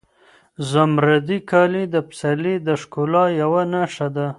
زمردي کالي د پسرلي د ښکلا یوه نښه ده.